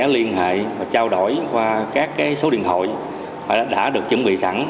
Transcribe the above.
liên hệ và trao đổi qua các số điện thoại đã được chuẩn bị sẵn